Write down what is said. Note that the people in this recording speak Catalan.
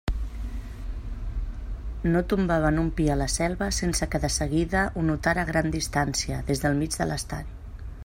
No tombaven un pi a la selva sense que de seguida ho notara a gran distància, des del mig de l'estany.